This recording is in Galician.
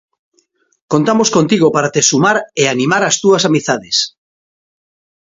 Contamos contigo para te sumar e animar as túas amizades!